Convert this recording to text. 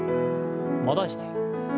戻して。